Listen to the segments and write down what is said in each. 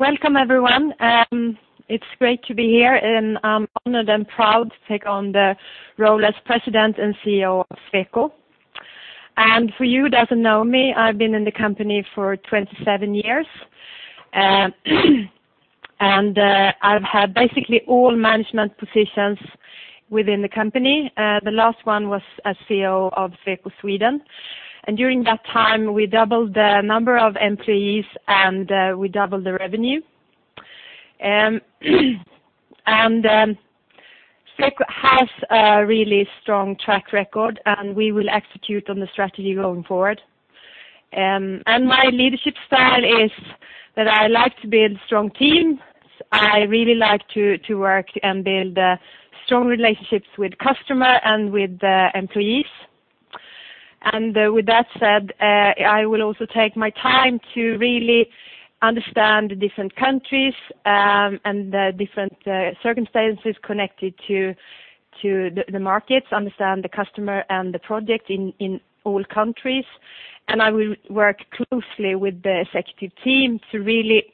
Welcome, everyone. It's great to be here, and I'm honored and proud to take on the role as President and CEO of Sweco. For you that don't know me, I've been in the company for 27 years, and I've had basically all management positions within the company. The last one was as CEO of Sweco Sweden, and during that time, we doubled the number of employees, and we doubled the revenue. Sweco has a really strong track record, and we will execute on the strategy going forward. My leadership style is that I like to build strong teams. I really like to work and build strong relationships with customer and with the employees. With that said, I will also take my time to really understand the different countries and the different circumstances connected to the markets, understand the customer and the project in all countries. I will work closely with the executive team to really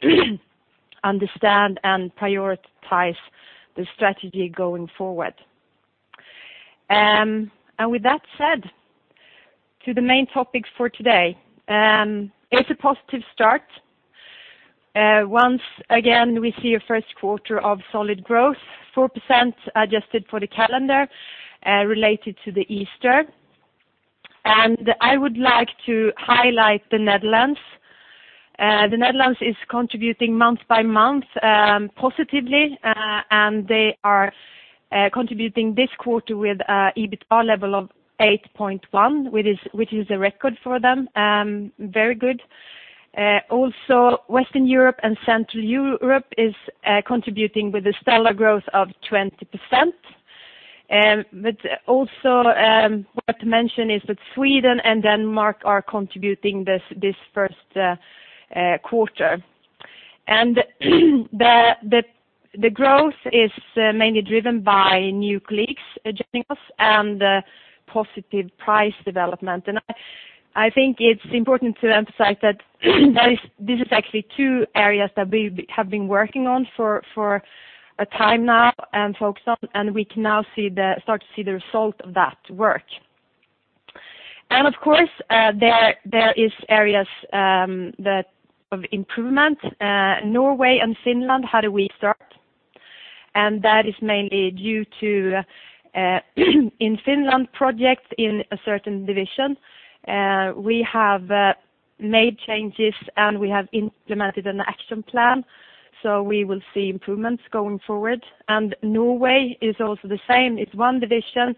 understand and prioritize the strategy going forward. And with that said, to the main topic for today, it's a positive start. Once again, we see a first quarter of solid growth, 4% adjusted for the calendar, related to the Easter. I would like to highlight the Netherlands. The Netherlands is contributing month by month, positively, and they are contributing this quarter with a EBITA level of 8.1, which is a record for them, very good. Also, Western Europe and Central Europe is contributing with a stellar growth of 20%. But also, what to mention is that Sweden and Denmark are contributing this first quarter. And the growth is mainly driven by new clients joining us and positive price development. And I think it's important to emphasize that this is actually two areas that we have been working on for a time now and focused on, and we can now start to see the result of that work. And of course, there are areas of improvement. Norway and Finland had a weak start, and that is mainly due to, in Finland, projects in a certain division. We have made changes, and we have implemented an action plan, so we will see improvements going forward. And Norway is also the same. It's one division,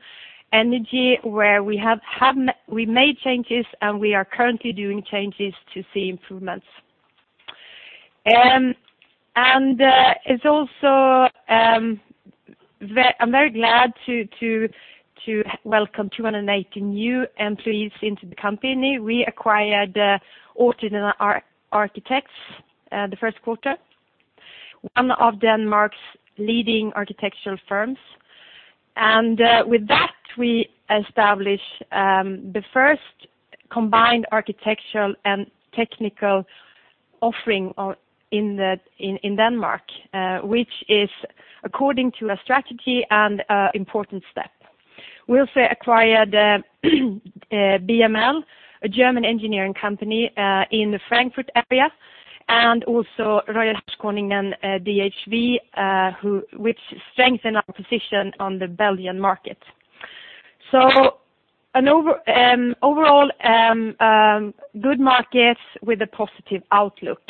energy, where we have made changes, and we are currently doing changes to see improvements. And it's also, I'm very glad to welcome 280 new employees into the company. We acquired Årstiderne Arkitekter the first quarter, one of Denmark's leading architectural firms. And with that, we establish the first combined architectural and technical offering in Denmark, which is according to a strategy and an important step. We also acquired BML, a German engineering company, in the Frankfurt area, and also Royal HaskoningDHV, which strengthen our position on the Belgian market. So overall good markets with a positive outlook.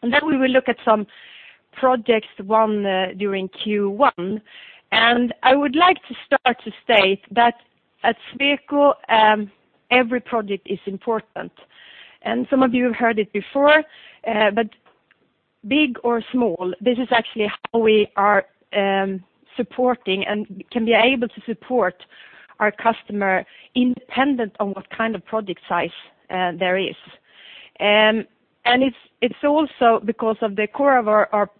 Then we will look at some projects won during Q1, and I would like to start to state that at Sweco every project is important. Some of you have heard it before, but big or small, this is actually how we are supporting and can be able to support our customer independent on what kind of project size there is. It's also because of the core of our project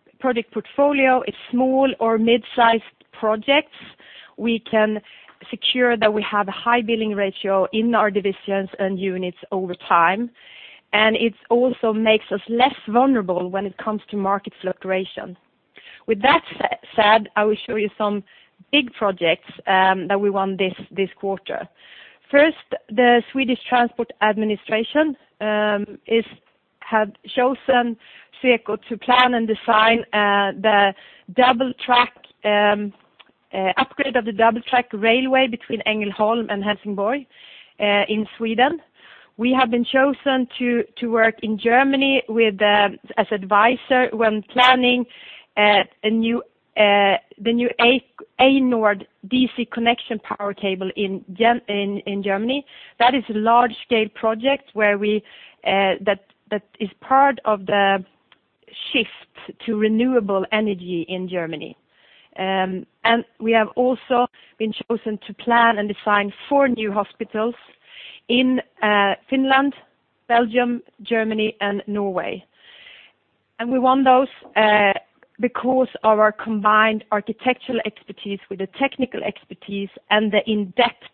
portfolio, it's small or mid-sized projects, we can secure that we have a high billing ratio in our divisions and units over time, and it also makes us less vulnerable when it comes to market fluctuation. With that said, I will show you some big projects that we won this quarter. First, the Swedish Transport Administration has chosen Sweco to plan and design the double-track railway upgrade between Ängelholm and Helsingborg in Sweden. We have been chosen to work in Germany as advisor when planning the new A-Nord DC connection power cable in Germany. That is a large-scale project that is part of the shift to renewable energy in Germany. We have also been chosen to plan and design four new hospitals in Finland, Belgium, Germany, and Norway. We won those because of our combined architectural expertise with the technical expertise and the in-depth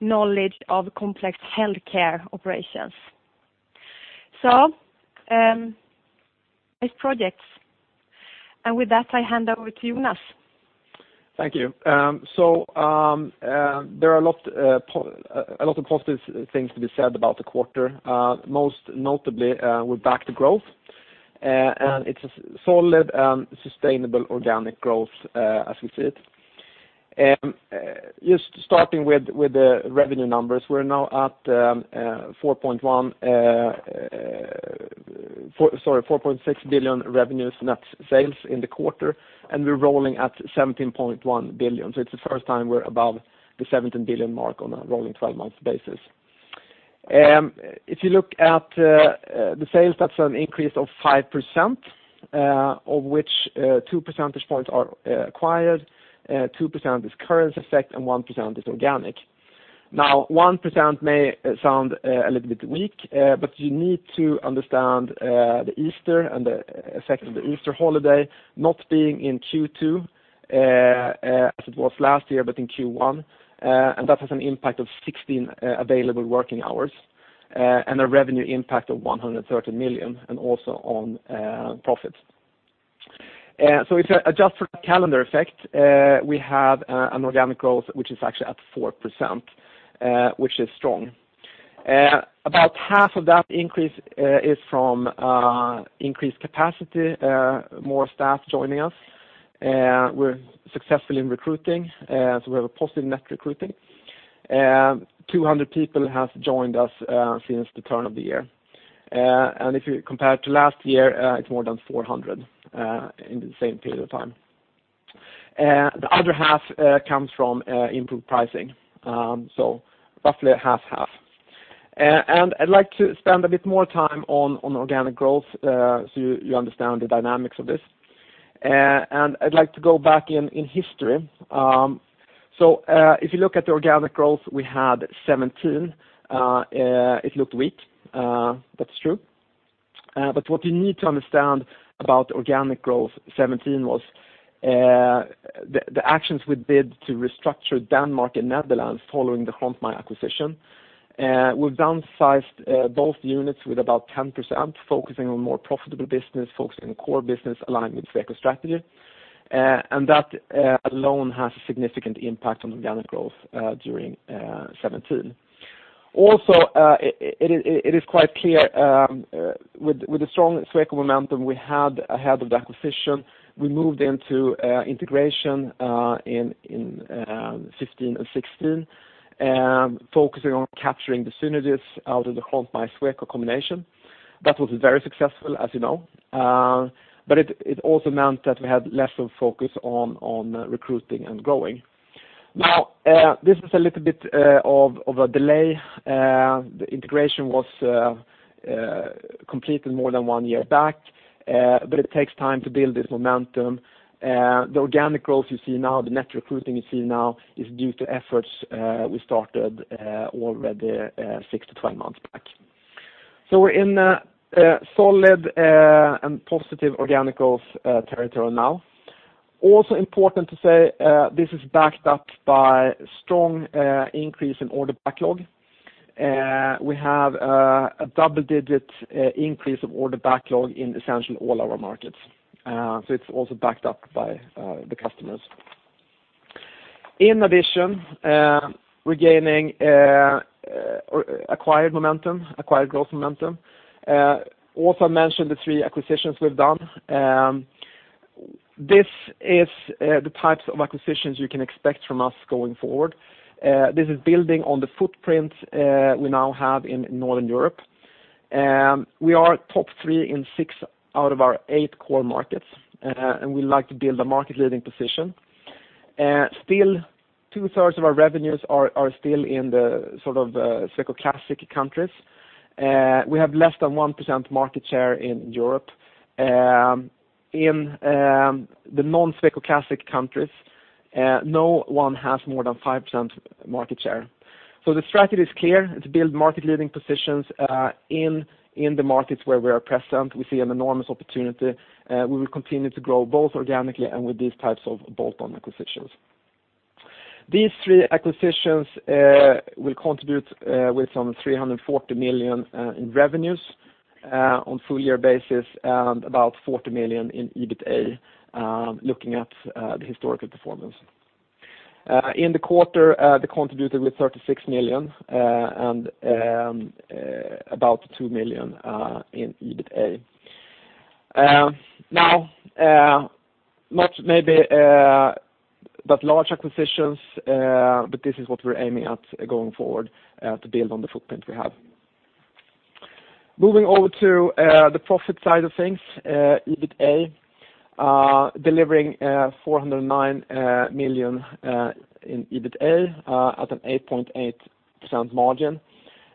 knowledge of complex healthcare operations. These projects. With that, I hand over to Jonas. Thank you. So, there are a lot of positive things to be said about the quarter. Most notably, we're back to growth, and it's a solid and sustainable organic growth, as we see it. Just starting with the revenue numbers, we're now at 4.6 billion net sales in the quarter, and we're rolling at 17.1 billion. So it's the first time we're above the 17 billion mark on a rolling twelve-month basis. If you look at the sales, that's an increase of 5%, of which two percentage points are acquired, 2% is currency effect, and 1% is organic. Now, 1% may sound a little bit weak, but you need to understand the Easter and the effect of the Easter holiday not being in Q2, as it was last year, but in Q1, and that has an impact of 16 available working hours, and a revenue impact of 130 million, and also on profits. So if you adjust for calendar effect, we have an organic growth, which is actually at 4%, which is strong. About half of that increase is from increased capacity, more staff joining us. We're successful in recruiting, so we have a positive net recruiting. 200 people have joined us since the turn of the year. And if you compare it to last year, it's more than 400 in the same period of time. The other half comes from improved pricing, so roughly a half, half. And I'd like to spend a bit more time on organic growth, so you understand the dynamics of this. And I'd like to go back in history. So, if you look at the organic growth, we had 2017, it looked weak. That's true. But what you need to understand about organic growth 2017 was the actions we did to restructure Denmark and Netherlands following the Grontmij acquisition. We've downsized both units with about 10%, focusing on more profitable business, focusing on core business alignment with Sweco strategy. And that alone has a significant impact on organic growth during 2017. Also, it is quite clear, with the strong Sweco momentum we had ahead of the acquisition, we moved into integration in 2015 and 2016, focusing on capturing the synergies out of the Grontmij Sweco combination. That was very successful, as you know, but it also meant that we had less of focus on recruiting and growing. Now, this is a little bit of a delay. The integration was completed more than 1 year back, but it takes time to build this momentum. The organic growth you see now, the net recruiting you see now, is due to efforts we started already 6-12 months back. We're in a solid and positive organic growth territory now. Also important to say, this is backed up by strong increase in order backlog. We have a double-digit increase of order backlog in essentially all our markets, so it's also backed up by the customers. In addition, we're gaining acquired momentum, acquired growth momentum. Also, I mentioned the three acquisitions we've done. This is the types of acquisitions you can expect from us going forward. This is building on the footprint we now have in Northern Europe. We are top three in six out of our eight core markets, and we like to build a market-leading position. Still, two-thirds of our revenues are still in the sort of Sweco classic countries. We have less than 1% market share in Europe. In the non-Sweco classic countries, no one has more than 5% market share. The strategy is clear: to build market-leading positions in the markets where we are present. We see an enormous opportunity. We will continue to grow both organically and with these types of bolt-on acquisitions. These three acquisitions will contribute with some 340 million in revenues on full year basis, and about 40 million in EBITA, looking at the historical performance. In the quarter, they contributed with 36 million, and about 2 million in EBITA. Not maybe large acquisitions, but this is what we're aiming at going forward, to build on the footprint we have. Moving over to the profit side of things, EBITA delivering 409 million in EBITA at an 8.8% margin.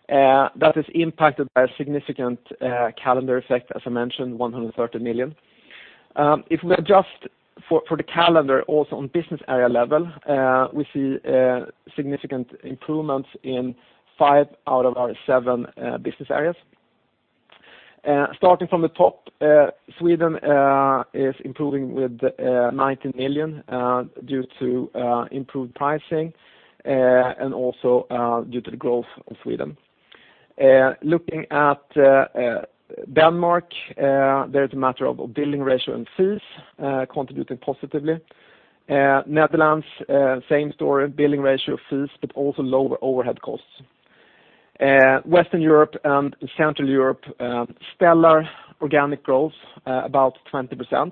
That is impacted by a significant calendar effect, as I mentioned, 130 million. If we adjust for the calendar, also on business area level, we see significant improvements in five out of our seven business areas. Starting from the top, Sweden is improving with 90 million due to improved pricing and also due to the growth of Sweden. Looking at Denmark, there is a matter of billing ratio and fees contributing positively. Netherlands, same story, billing ratio of fees, but also lower overhead costs. Western Europe and Central Europe, stellar organic growth, about 20%.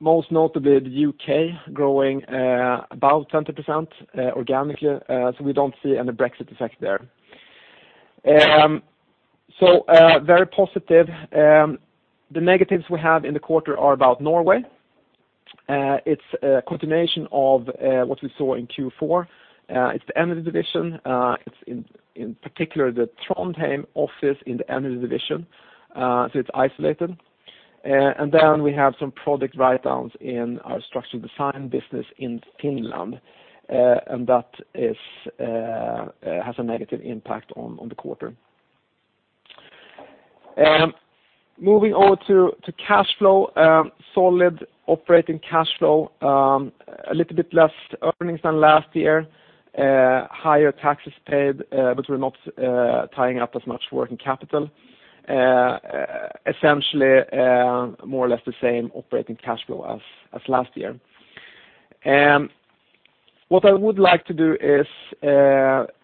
Most notably the U.K., growing, about 20%, organically, so we don't see any Brexit effect there. So, very positive. The negatives we have in the quarter are about Norway. It's a continuation of what we saw in Q4. It's the energy division, it's in particular, the Trondheim office in the energy division, so it's isolated. And then we have some product write-downs in our structural design business in Finland, and that has a negative impact on the quarter. Moving on to cash flow, solid operating cash flow, a little bit less earnings than last year, higher taxes paid, but we're not tying up as much working capital. Essentially, more or less the same operating cash flow as last year. What I would like to do is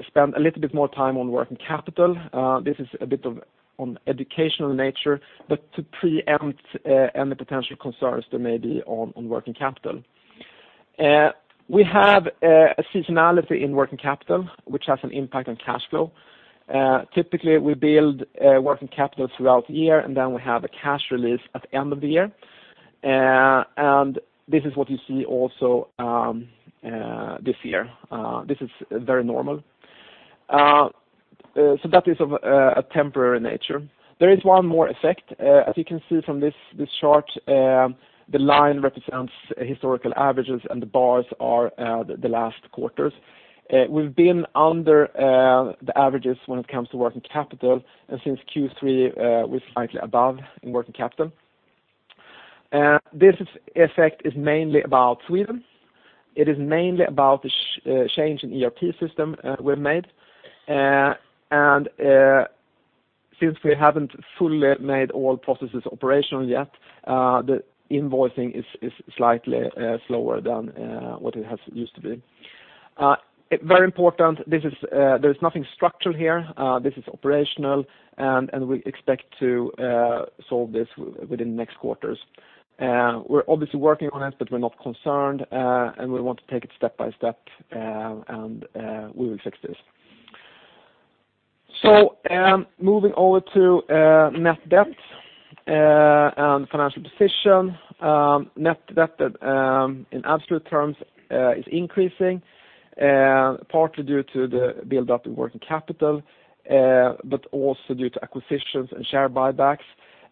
spend a little bit more time on working capital. This is a bit of an educational nature, but to preempt any potential concerns there may be on working capital. We have a seasonality in working capital, which has an impact on cash flow. Typically, we build working capital throughout the year, and then we have a cash release at the end of the year. This is what you see also this year. This is very normal. So that is of a temporary nature. There is one more effect. As you can see from this chart, the line represents historical averages, and the bars are the last quarters. We've been under the averages when it comes to working capital, and since Q3, we're slightly above in working capital. This effect is mainly about Sweden. It is mainly about the change in ERP system we've made. And since we haven't fully made all processes operational yet, the invoicing is slightly slower than what it has used to be. Very important, there is nothing structural here. This is operational, and we expect to solve this within the next quarters. We're obviously working on it, but we're not concerned, and we want to take it step by step, and we will fix this. So, moving over to net debt and financial position, net debt in absolute terms is increasing, partly due to the build-up in working capital, but also due to acquisitions and share buybacks.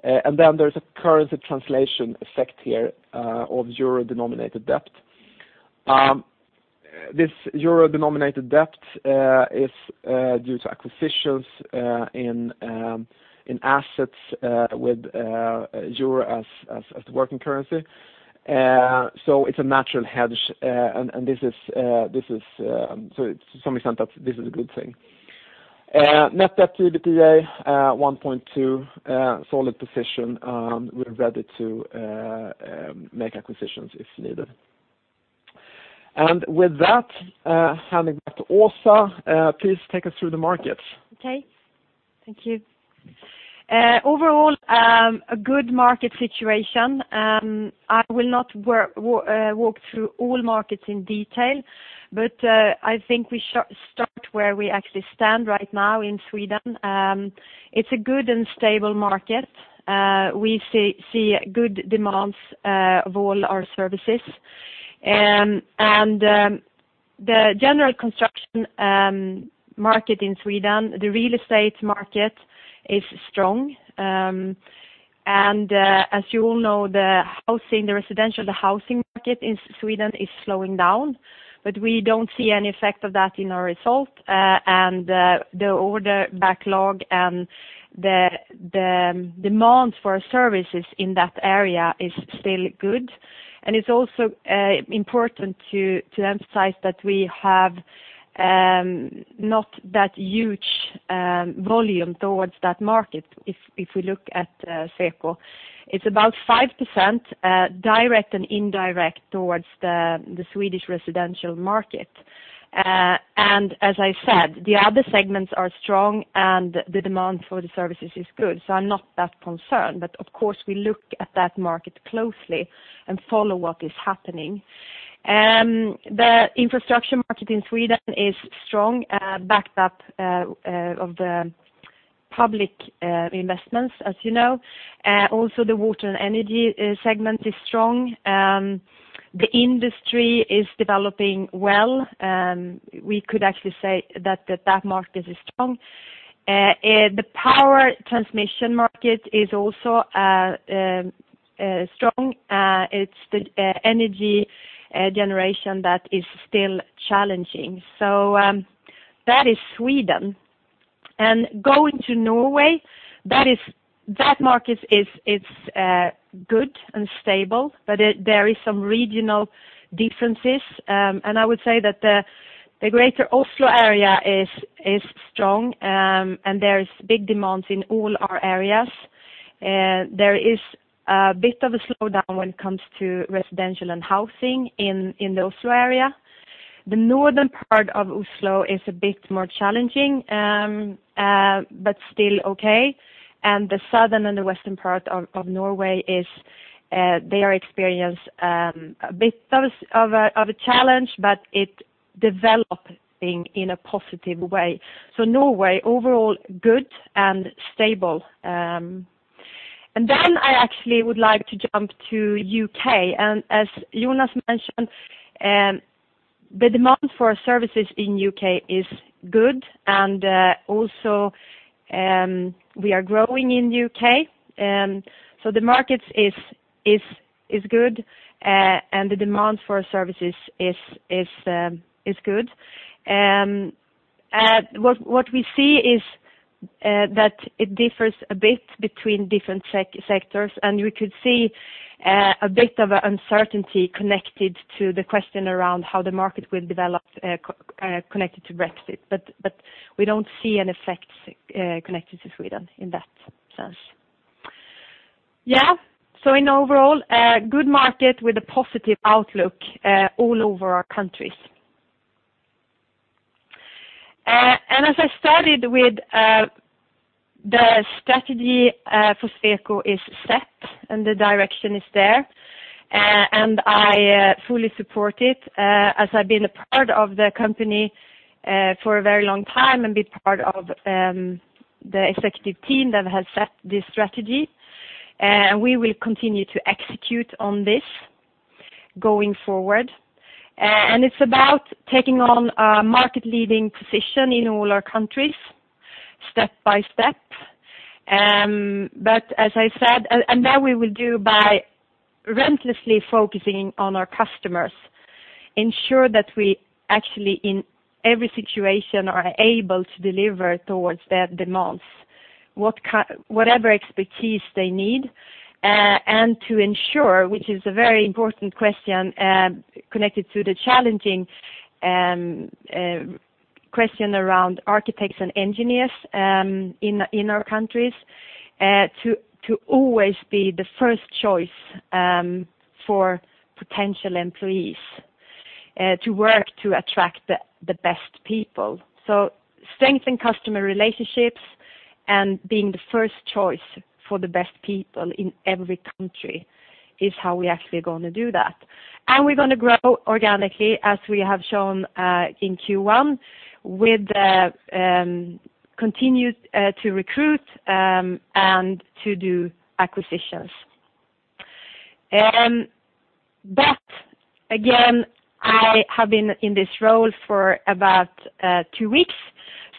And then there's a currency translation effect here of euro-denominated debt. This euro-denominated debt is due to acquisitions in assets with euro as the working currency. So it's a natural hedge, and this is so to some extent that this is a good thing. Net debt to EBITDA 1.2, solid position, and we're ready to make acquisitions if needed. And with that, handing back to Åsa, please take us through the markets. Okay. Thank you. Overall, a good market situation. I will not walk through all markets in detail, but, I think we start where we actually stand right now in Sweden. It's a good and stable market. We see good demands of all our services. And, the general construction market in Sweden, the real estate market is strong. And, as you all know, the housing, the residential, the housing market in Sweden is slowing down, but we don't see any effect of that in our result. And, the order backlog and the demand for our services in that area is still good. And it's also important to emphasize that we have not that huge volume towards that market, if we look at Sweco. It's about 5%, direct and indirect towards the Swedish residential market. And as I said, the other segments are strong, and the demand for the services is good, so I'm not that concerned. But, of course, we look at that market closely and follow what is happening. The infrastructure market in Sweden is strong, backed up of the public investments, as you know. Also, the water and energy segment is strong. The industry is developing well, we could actually say that that market is strong. The power transmission market is also strong. It's the energy generation that is still challenging. So, that is Sweden. And going to Norway, that market is good and stable, but there is some regional differences. And I would say that the greater Oslo area is strong, and there is big demands in all our areas. There is a bit of a slowdown when it comes to residential and housing in the Oslo area. The northern part of Oslo is a bit more challenging, but still okay. And the southern and the western part of Norway is, they are experienced a bit of a challenge, but it developing in a positive way. So Norway, overall, good and stable. And then I actually would like to jump to U.K. And as Jonas mentioned, the demand for our services in U.K. is good, and also, we are growing in U.K. So the markets is good, and the demand for our services is good. What we see is that it differs a bit between different sectors, and we could see a bit of an uncertainty connected to the question around how the market will develop, connected to Brexit, but we don't see an effect connected to Sweden in that sense. Yeah, so in overall, a good market with a positive outlook all over our countries. And as I started with, the strategy for Sweco is set, and the direction is there, and I fully support it, as I've been a part of the company for a very long time and been part of the executive team that has set this strategy. We will continue to execute on this going forward. And it's about taking on a market-leading position in all our countries, step by step. But as I said, and that we will do by relentlessly focusing on our customers, ensure that we actually, in every situation, are able to deliver towards their demands, whatever expertise they need, and to ensure, which is a very important question, connected to the challenging question around architects and engineers, in our countries, to always be the first choice, for potential employees, to work to attract the best people. So strengthen customer relationships and being the first choice for the best people in every country is how we actually are gonna do that. We're gonna grow organically, as we have shown in Q1, with continue to recruit and to do acquisitions. Again, I have been in this role for about two weeks,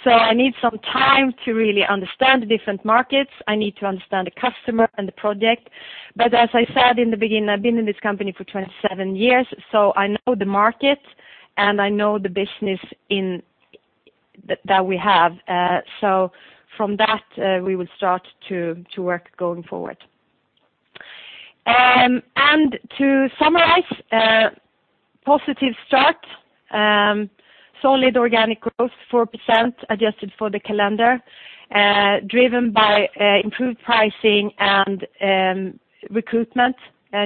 so I need some time to really understand the different markets. I need to understand the customer and the project. As I said in the beginning, I've been in this company for 27 years, so I know the market, and I know the business that we have. From that, we will start to work going forward. To summarize, a positive start, solid organic growth, 4% adjusted for the calendar, driven by improved pricing and recruitment,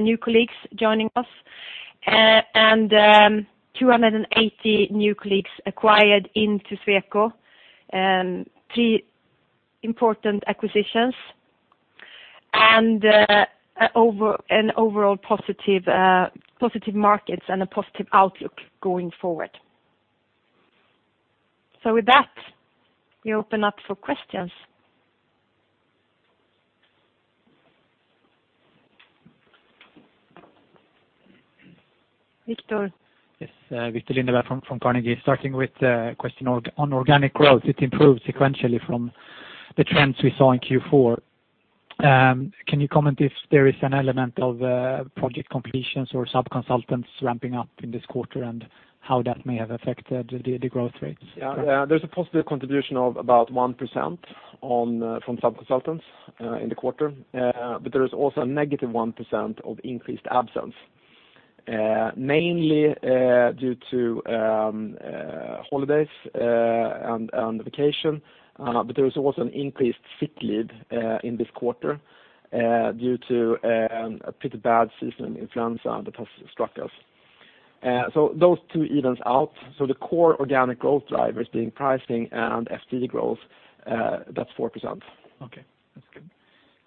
new colleagues joining us. 280 new colleagues acquired into Sweco, three important acquisitions, and overall positive markets and a positive outlook going forward. So with that, we open up for questions. Viktor? Yes, Viktor Lindberg from Carnegie. Starting with a question on organic growth, it improved sequentially from the trends we saw in Q4. Can you comment if there is an element of project completions or sub-consultants ramping up in this quarter, and how that may have affected the growth rates? Yeah, yeah, there's a positive contribution of about 1% on from sub-consultants in the quarter. But there is also a -1% of increased absence mainly due to holidays and vacation. But there was also an increased sick leave in this quarter due to a pretty bad season in influenza that has struck us. So those two evens out. So the core organic growth drivers being pricing and FT growth, that's 4%. Okay, that's good.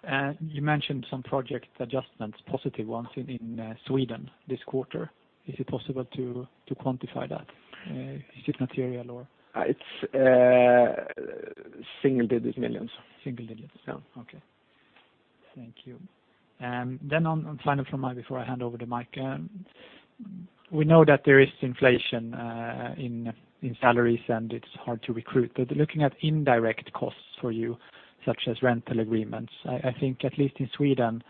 And you mentioned some project adjustments, positive ones, in Sweden this quarter. Is it possible to quantify that? Is it material or? It's SEK single-digit millions. Single digits. Yeah. Okay. Thank you. Then one final from me before I hand over the mic. We know that there is inflation in salaries, and it's hard to recruit. But looking at indirect costs for you, such as rental agreements, I think at least in Sweden,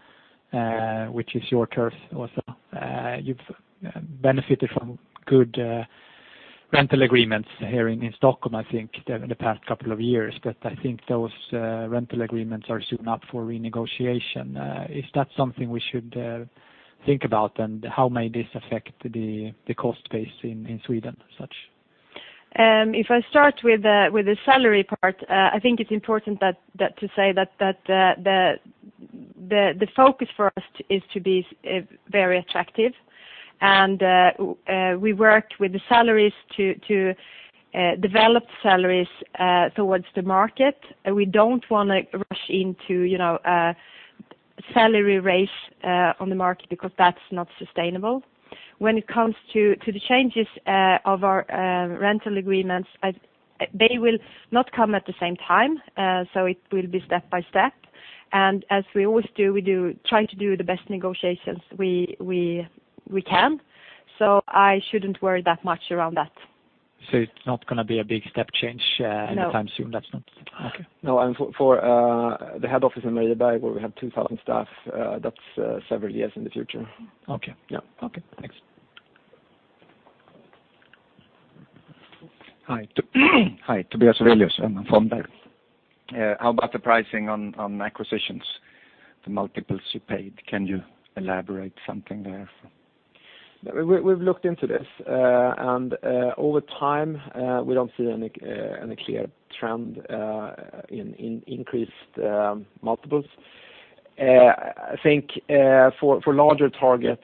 which is your turf also. You've benefited from good rental agreements here in Stockholm, I think, the past couple of years. But I think those rental agreements are soon up for renegotiation. Is that something we should think about, and how may this affect the cost base in Sweden as such? If I start with the salary part, I think it's important to say that the focus for us is to be very attractive. And we worked with the salaries to develop salaries towards the market. We don't want to rush into, you know, a salary race on the market, because that's not sustainable. When it comes to the changes of our rental agreements, they will not come at the same time, so it will be step by step. And as we always do, we try to do the best negotiations we can, so I shouldn't worry that much around that. It's not gonna be a big step change. No. Anytime soon, that's not? Okay. No, and for the head office in Marieberg, where we have 2,000 staff, that's several years in the future. Okay. Yeah. Okay, thanks. Hi, hi, Tobias Övelius from Lannebo. How about the pricing on acquisitions, the multiples you paid? Can you elaborate something there? We've looked into this. And over time, we don't see any clear trend in increased multiples. I think, for larger targets,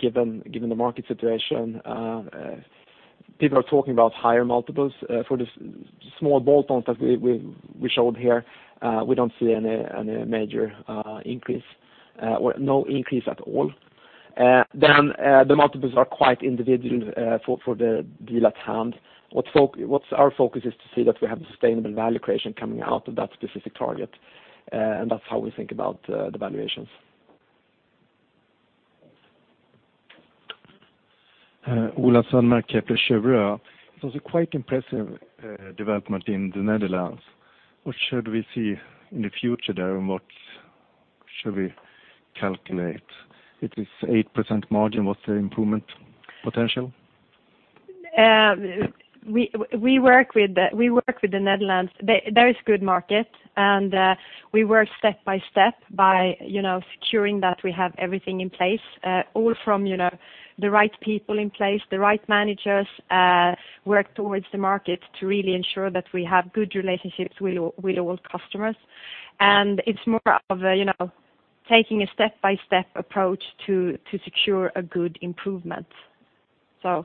given the market situation, people are talking about higher multiples. For the small bolt-ons that we showed here, we don't see any major increase, or no increase at all. Then, the multiples are quite individual, for the deal at hand. What's our focus is to see that we have sustainable value creation coming out of that specific target, and that's how we think about the valuations. Ola Södermark, Kepler Cheuvreux. It was a quite impressive development in the Netherlands. What should we see in the future there, and what should we calculate? It is 8% margin. What's the improvement potential? We work with the Netherlands. There is good market, and we work step by step by, you know, securing that we have everything in place, all from, you know, the right people in place, the right managers, work towards the market to really ensure that we have good relationships with all customers. And it's more of a, you know, taking a step-by-step approach to secure a good improvement. So-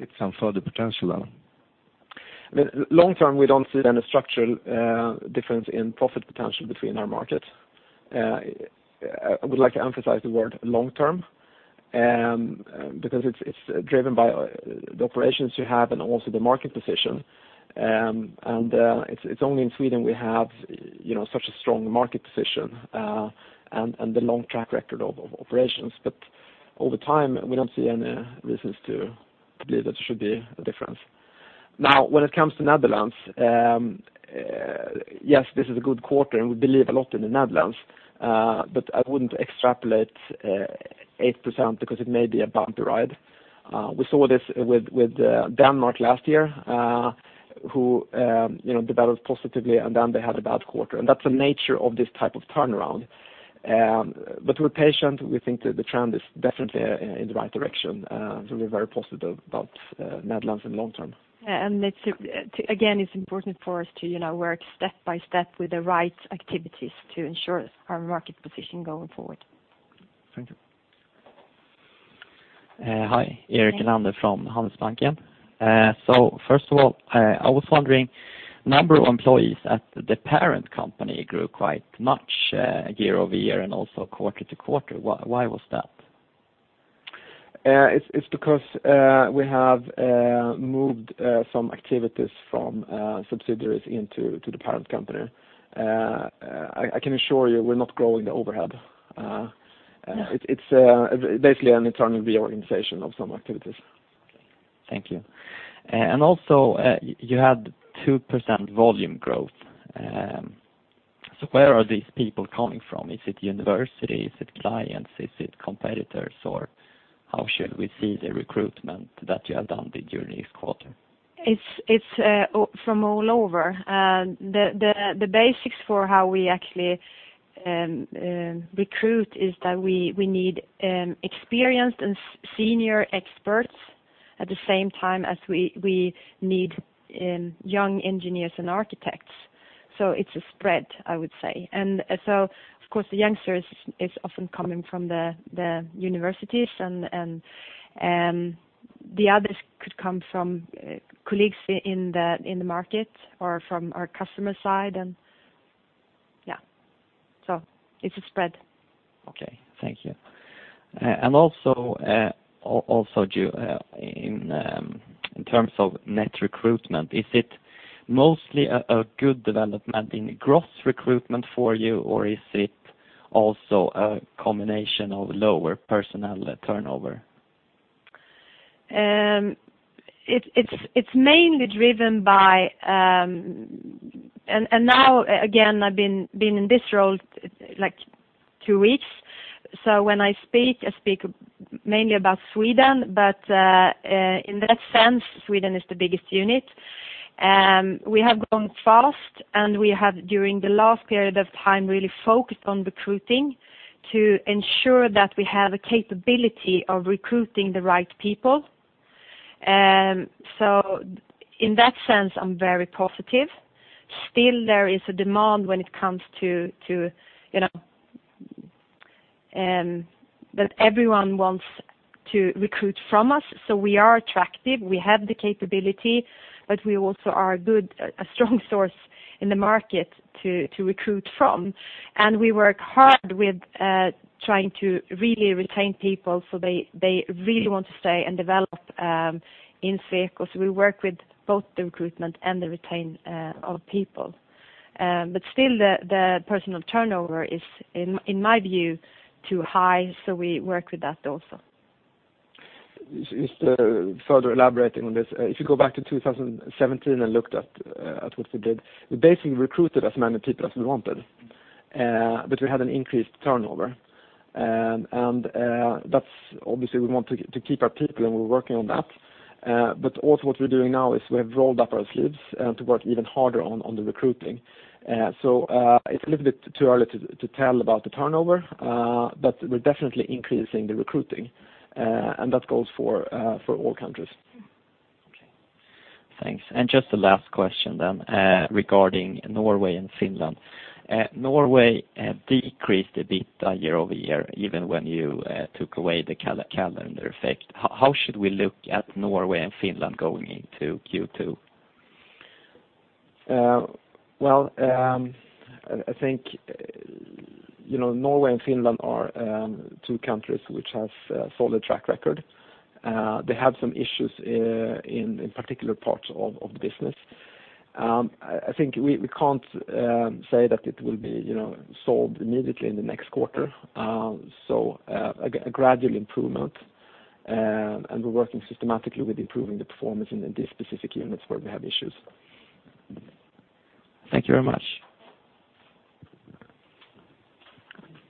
It's some further potential, though. I mean, long term, we don't see any structural difference in profit potential between our markets. I would like to emphasize the word long term, because it's driven by the operations you have and also the market position. And it's only in Sweden we have, you know, such a strong market position, and the long track record of operations. But over time, we don't see any reasons to believe that there should be a difference. Now, when it comes to Netherlands, yes, this is a good quarter, and we believe a lot in the Netherlands, but I wouldn't extrapolate 8%, because it may be a bumpy ride. We saw this with Denmark last year, who, you know, developed positively, and then they had a bad quarter, and that's the nature of this type of turnaround. But we're patient. We think that the trend is definitely in the right direction, so we're very positive about Netherlands in long term. Yeah, and it's again, it's important for us to, you know, work step by step with the right activities to ensure our market position going forward. Thank you. Hi, Erik Eklund from Handelsbanken. So first of all, I was wondering, number of employees at the parent company grew quite much, year-over-year and also quarter-to-quarter. Why, why was that? It's because we have moved some activities from subsidiaries into the parent company. I can assure you we're not growing the overhead. Yeah. It's basically an internal reorganization of some activities. Thank you. And also, you had 2% volume growth. So where are these people coming from? Is it university? Is it clients? Is it competitors, or how should we see the recruitment that you have done during this quarter? It's from all over. The basics for how we actually recruit is that we need experienced and senior experts at the same time as we need young engineers and architects. So it's a spread, I would say. And so, of course, the youngsters is often coming from the universities and the others could come from colleagues in the market or from our customer side, and... Yeah, so it's a spread. Okay, thank you. And also, Geo, in terms of net recruitment, is it mostly a good development in gross recruitment for you, or is it also a combination of lower personnel turnover? It's mainly driven by, and now, again, I've been in this role like two weeks, so when I speak, I speak mainly about Sweden, but in that sense, Sweden is the biggest unit. We have grown fast, and we have, during the last period of time, really focused on recruiting to ensure that we have a capability of recruiting the right people. So in that sense, I'm very positive. Still, there is a demand when it comes to, you know, that everyone wants to recruit from us, so we are attractive. We have the capability, but we also are a good, a strong source in the market to recruit from. And we work hard with trying to really retain people, so they really want to stay and develop in Sweco. So we work with both the recruitment and the retention of people. But still, the personnel turnover is, in my view, too high, so we work with that also. Just further elaborating on this, if you go back to 2017 and looked at what we did, we basically recruited as many people as we wanted, but we had an increased turnover. And that's obviously we want to keep our people, and we're working on that. But also what we're doing now is we have rolled up our sleeves to work even harder on the recruiting. So, it's a little bit too early to tell about the turnover, but we're definitely increasing the recruiting, and that goes for all countries. Okay. Thanks. Just the last question then, regarding Norway and Finland. Norway decreased a bit year-over-year, even when you took away the calendar effect. How should we look at Norway and Finland going into Q2? Well, I think, you know, Norway and Finland are two countries which have a solid track record. They have some issues in particular parts of the business. I think we can't say that it will be, you know, solved immediately in the next quarter. So, a gradual improvement, and we're working systematically with improving the performance in these specific units where we have issues. Thank you very much.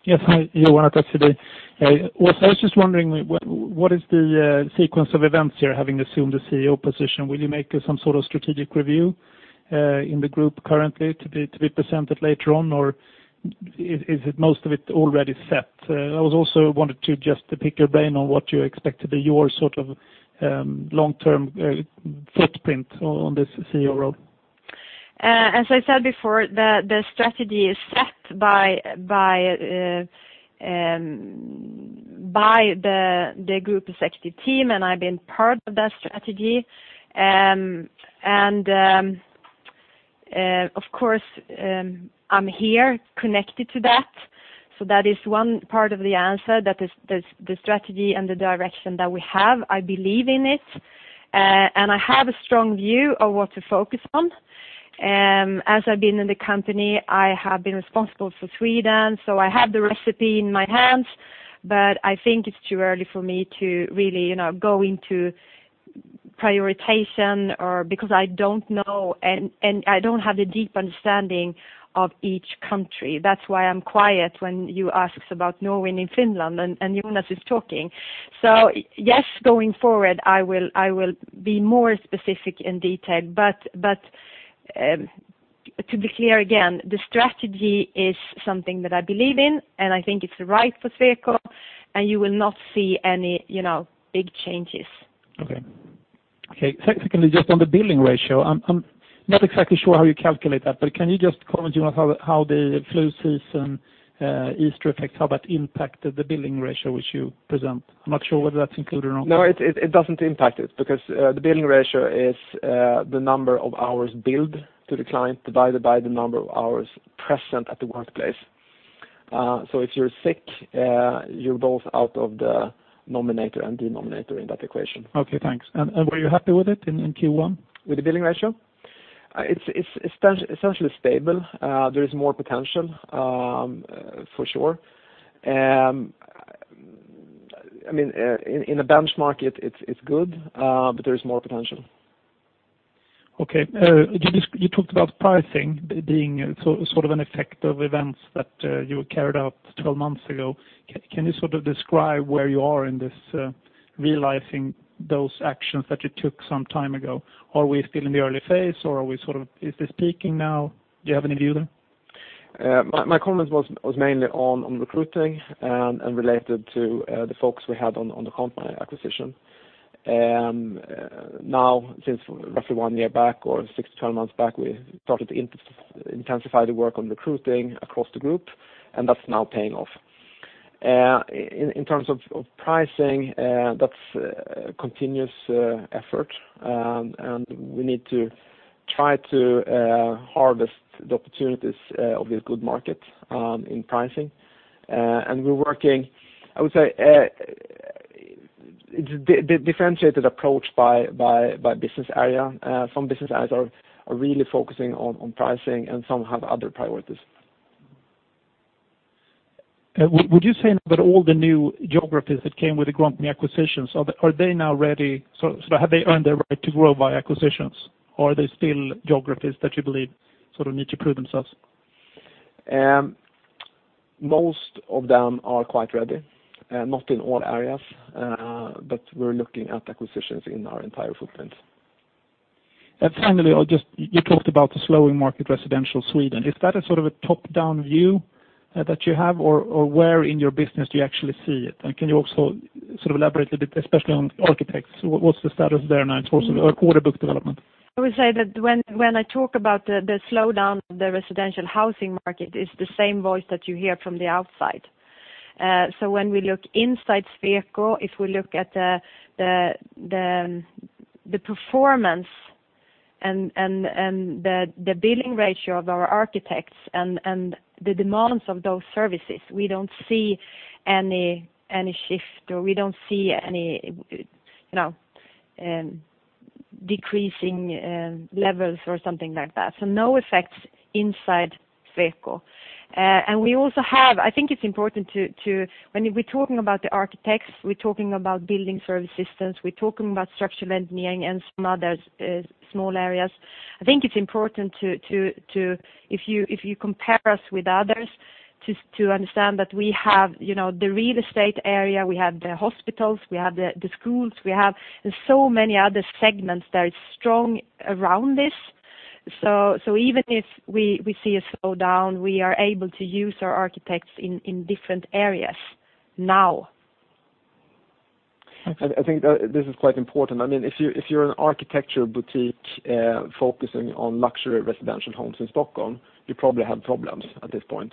Yes, hi, Jonas, actually. Hey, I was just wondering, what is the sequence of events you're having assumed the CEO position? Will you make some sort of strategic review in the group currently to be presented later on, or is it most of it already set? I was also wanted to just to pick your brain on what you expect to be your sort of long-term footprint on this CEO role. As I said before, the strategy is set by the group executive team, and I've been part of that strategy. And, of course, I'm here connected to that. So that is one part of the answer, that is the strategy and the direction that we have. I believe in it, and I have a strong view of what to focus on. As I've been in the company, I have been responsible for Sweden, so I have the recipe in my hands, but I think it's too early for me to really, you know, go into prioritization or, because I don't know, and, and I don't have a deep understanding of each country. That's why I'm quiet when you asks about Norway and Finland, and, and Jonas is talking. So, yes, going forward, I will be more specific in detail, but to be clear, again, the strategy is something that I believe in, and I think it's right for Sweco, and you will not see any, you know, big changes. Okay. Okay, secondly, just on the billing ratio, I'm not exactly sure how you calculate that, but can you just comment on how the flu season, Easter effect, how that impacted the billing ratio, which you present? I'm not sure whether that's included or not. No, it doesn't impact it, because the billing ratio is the number of hours billed to the client divided by the number of hours present at the workplace. So if you're sick, you're both out of the numerator and denominator in that equation. Okay, thanks. Were you happy with it in Q1? With the billing ratio? It's essentially stable. There is more potential, for sure. I mean, in a benchmark, it's good, but there is more potential. Okay. You just, you talked about pricing being sort of an effect of events that you carried out 12 months ago. Can you sort of describe where you are in this realizing those actions that you took some time ago? Are we still in the early phase, or are we sort of, is this peaking now? Do you have any view there? My comment was mainly on recruiting and related to the focus we had on the Grontmij acquisition. Now, since roughly 1 year back or 6-12 months back, we started to intensify the work on recruiting across the group, and that's now paying off. In terms of pricing, that's a continuous effort, and we need to try to harvest the opportunities of this good market in pricing. And we're working, I would say, it's a differentiated approach by business area. Some business areas are really focusing on pricing, and some have other priorities. Would you say that all the new geographies that came with the Grontmij acquisitions are they, are they now ready? So, so have they earned their right to grow by acquisitions, or are they still geographies that you believe sort of need to prove themselves? Most of them are quite ready, not in all areas, but we're looking at acquisitions in our entire footprint. Finally, you talked about the slowing market, residential Sweden. Is that a sort of a top-down view, that you have, or, or where in your business do you actually see it? And can you also sort of elaborate a bit, especially on architects, what's the status there now in terms of order book development? I would say that when I talk about the slowdown of the residential housing market, it's the same voice that you hear from the outside. So when we look inside Sweco, if we look at the performance and the billing ratio of our architects and the demands of those services, we don't see any shift, or we don't see any, you know, decreasing levels or something like that. So no effects inside Sweco. And we also have. I think it's important to, when we're talking about the architects, we're talking about building service systems, we're talking about structural engineering and some other small areas. I think it's important to, if you compare us with others, to understand that we have, you know, the real estate area, we have the hospitals, we have the schools, we have so many other segments that is strong around this. So even if we see a slowdown, we are able to use our architects in different areas now. I think this is quite important. I mean, if you, if you're an architectural boutique, focusing on luxury residential homes in Stockholm, you probably have problems at this point.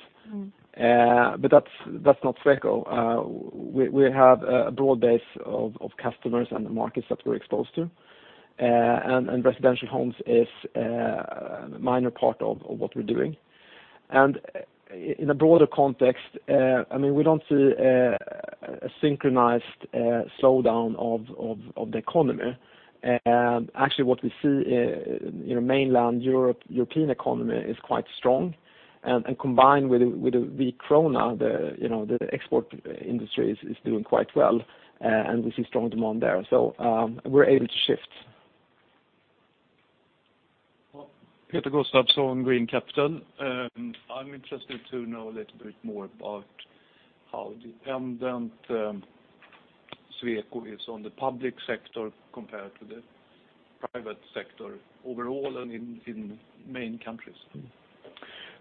But that's, that's not Sweco. We, we have a broad base of, of customers and the markets that we're exposed to. And, and residential homes is, a minor part of, of what we're doing. And in a broader context, I mean, we don't see a, a synchronized, slowdown of, of, of the economy. Actually, what we see in, you know, mainland Europe, European economy is quite strong, and, and combined with, with the weak krona, the, you know, the export industry is, is doing quite well, and we see strong demand there. So, we're able to shift. Peter Gustafsson, Green Capital. I'm interested to know a little bit more about how dependent Sweco is on the public sector compared to the private sector overall and in main countries?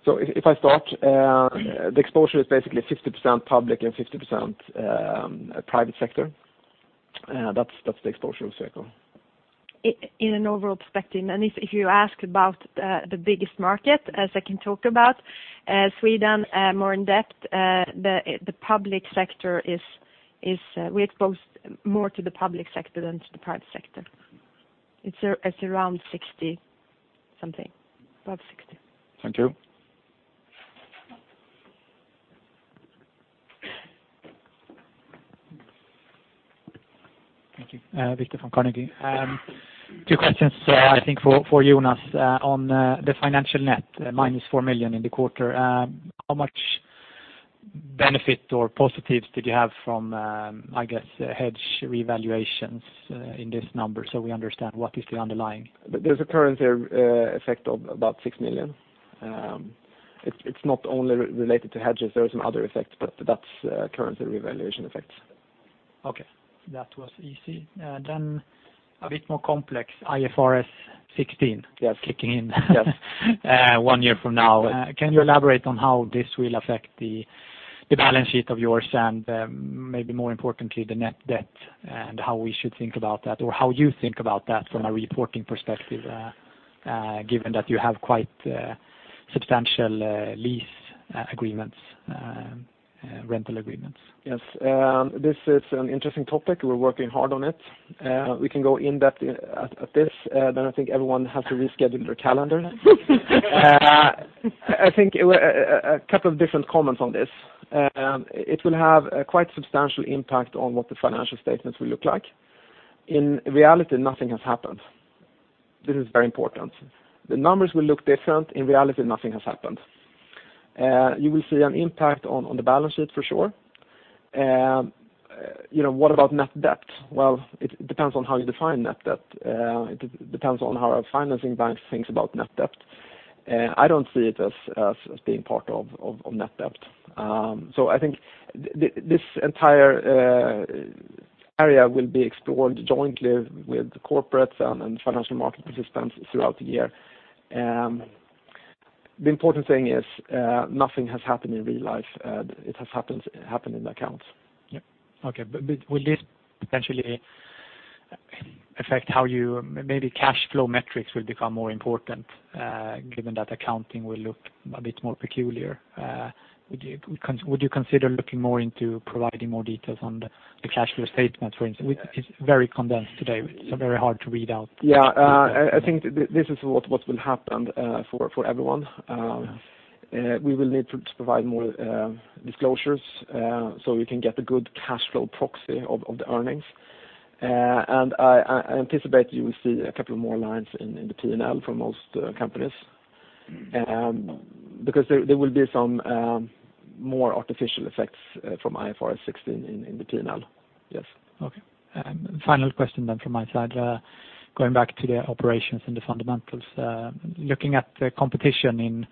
So if I start, the exposure is basically 50% public and 50% private sector. That's the exposure of Sweco. In an overall perspective, and if you ask about the biggest market, as I can talk about, Sweden, more in depth, the public sector is, we're exposed more to the public sector than to the private sector. It's around 60-something, above 60. Thank you. Thank you. Viktor from Carnegie. Two questions, I think, for Jonas. On the financial net, -4 million in the quarter, how much benefit or positives did you have from, I guess, hedge revaluations, in this number? So we understand what is the underlying. There's a currency effect of about 6 million. It's not only related to hedges, there are some other effects, but that's currency revaluation effects. Okay. That was easy. Then a bit more complex, IFRS 16- Yes. Kicking in - Yes. One year from now. Can you elaborate on how this will affect the balance sheet of yours, and maybe more importantly, the net debt, and how we should think about that? Or how you think about that from a reporting perspective, given that you have quite substantial lease agreements, rental agreements? Yes. This is an interesting topic. We're working hard on it. We can go in depth at this, but I think everyone has to reschedule their calendar. I think a couple of different comments on this. It will have a quite substantial impact on what the financial statements will look like. In reality, nothing has happened. This is very important. The numbers will look different. In reality, nothing has happened. You will see an impact on the balance sheet, for sure. You know, what about net debt? Well, it depends on how you define net debt. It depends on how our financing bank thinks about net debt. I don't see it as being part of net debt. So I think this entire area will be explored jointly with the corporates and financial market participants throughout the year. The important thing is, nothing has happened in real life, it has happened in the accounts. Yep. Okay. But will this potentially affect how you—maybe cash flow metrics will become more important, given that accounting will look a bit more peculiar? Would you consider looking more into providing more details on the cash flow statements, for instance? It's very condensed today, so very hard to read out. Yeah. I think this is what will happen for everyone. We will need to provide more disclosures so we can get a good cash flow proxy of the earnings. And I anticipate you will see a couple more lines in the P and L for most companies. Because there will be some more artificial effects from IFRS 16 in the P and L. Yes. Okay. Final question then from my side. Going back to the operations and the fundamentals. Looking at the competition in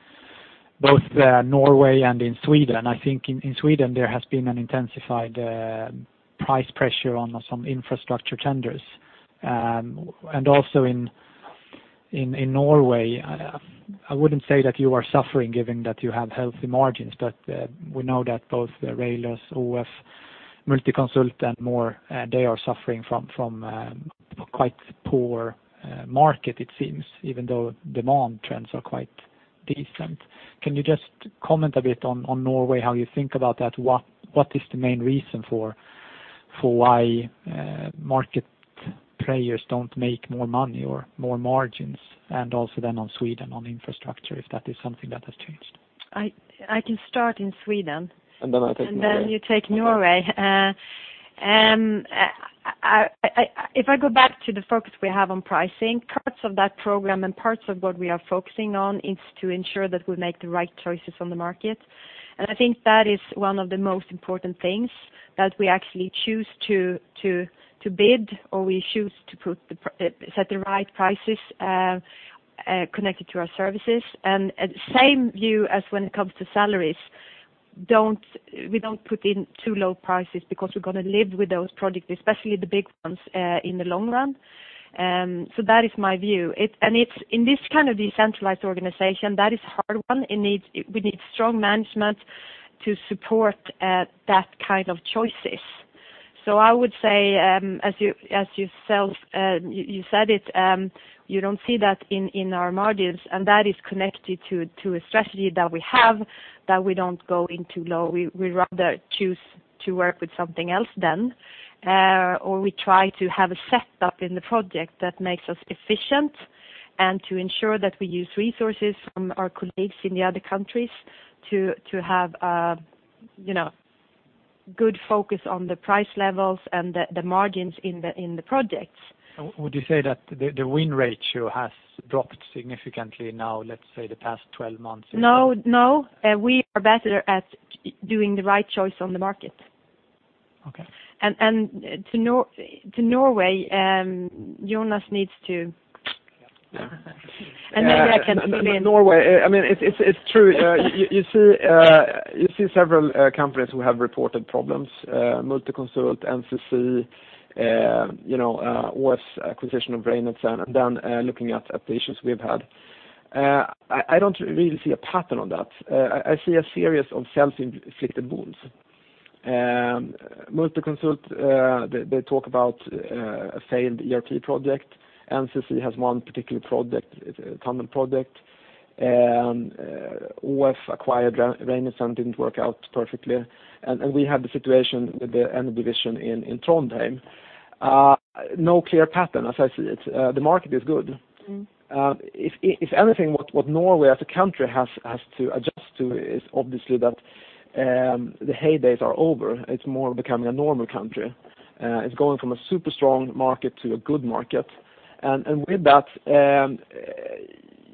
both Norway and in Sweden, I think in Sweden, there has been an intensified price pressure on some infrastructure tenders. Also in Norway, I wouldn't say that you are suffering, given that you have healthy margins, but we know that both Rejlers, ÅF, Multiconsult, and more, they are suffering from quite poor market it seems, even though demand trends are quite decent. Can you just comment a bit on Norway, how you think about that? What is the main reason for why market players don't make more money or more margins? Also then on Sweden, on infrastructure, if that is something that has changed. I can start in Sweden. And then I take Norway. Then you take Norway. If I go back to the focus we have on pricing, parts of that program and parts of what we are focusing on is to ensure that we make the right choices on the market. And I think that is one of the most important things, that we actually choose to bid or we choose to set the right prices, connected to our services. And same view as when it comes to salaries. We don't put in too low prices because we're gonna live with those projects, especially the big ones, in the long run. So that is my view. And it's in this kind of decentralized organization, that is a hard one. It needs, we need strong management to support that kind of choices. So I would say, as you yourself said it, you don't see that in our margins, and that is connected to a strategy that we have, that we don't go in too low. We rather choose to work with something else than, or we try to have a setup in the project that makes us efficient, and to ensure that we use resources from our colleagues in the other countries to have, you know, good focus on the price levels and the margins in the projects. Would you say that the win ratio has dropped significantly now, let's say, the past 12 months? No, no, we are better at doing the right choice on the market. Okay. And to Norway, Jonas needs to- Yeah. And maybe I can come in. Norway, I mean, it's true. You see several companies who have reported problems, Multiconsult, NCC, you know, ÅF's acquisition of Reinertsen, and then looking at the issues we've had. I don't really see a pattern on that. I see a series of self-inflicted wounds. Multiconsult, they talk about a failed ERP project. NCC has one particular project, tunnel project. OF acquired Reinertsen, didn't work out perfectly. And we had the situation with the energy division in Trondheim. No clear pattern, as I see it. The market is good. Mm. If anything, what Norway as a country has to adjust to is obviously that, the heydays are over. It's more becoming a normal country. It's going from a super strong market to a good market. And with that,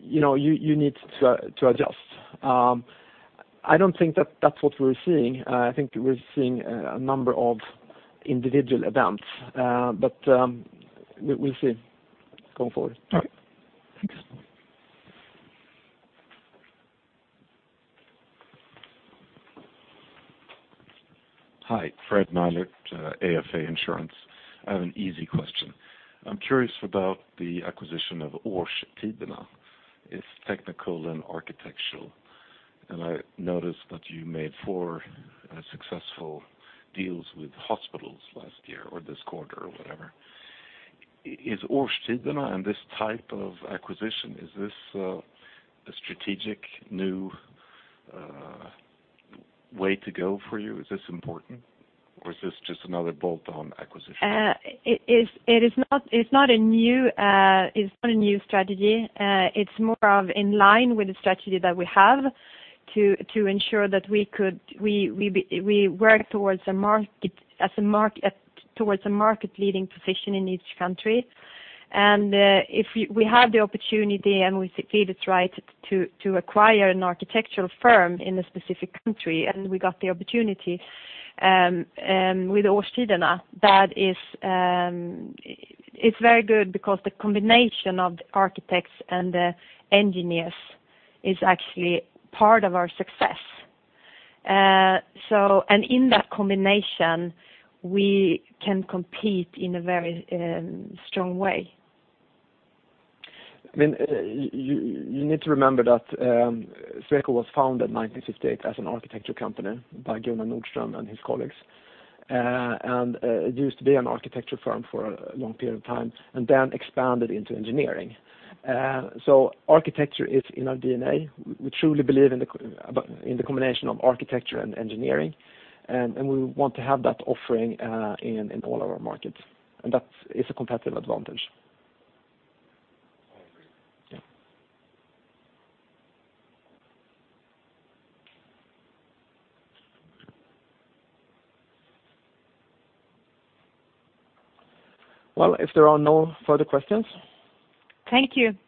you know, you need to adjust. I don't think that that's what we're seeing. I think we're seeing a number of individual events, but we'll see going forward. All right. Thanks. Hi, Fred Nylund, AFA Insurance. I have an easy question. I'm curious about the acquisition of Årstiderne Arkitekter, its technical and architectural. And I noticed that you made four successful deals with hospitals last year or this quarter or whatever. Is Årstiderne Arkitekter and this type of acquisition, is this a strategic new way to go for you? Is this important, or is this just another bolt-on acquisition? It is not a new strategy. It's more in line with the strategy that we have to ensure that we work towards a market-leading position in each country. And if we have the opportunity, and we see fit it's right to acquire an architectural firm in a specific country, and we got the opportunity with Årstiderne, that is, it's very good because the combination of the architects and the engineers is actually part of our success. So, and in that combination, we can compete in a very strong way. I mean, you need to remember that Sweco was founded in 1958 as an architecture company by Gunnar Nordström and his colleagues. And it used to be an architecture firm for a long period of time and then expanded into engineering. So architecture is in our DNA. We truly believe in the combination of architecture and engineering, and we want to have that offering in all our markets, and that is a competitive advantage. I agree. Yeah. Well, if there are no further questions? Thank you. Thank you. Thank you.